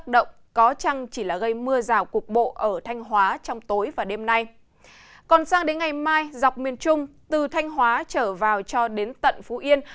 dọc miền trung từ thanh hóa trở vào cho đến tận phú yên